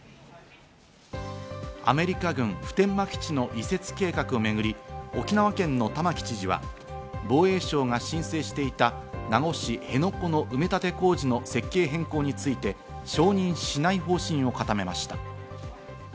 アメリカ軍普天間基地の移設計画をめぐり、沖縄県の玉城知事は防衛省が申請していた名護市辺野古の埋め立て工事の設計変更について、承認しない方針を固めました。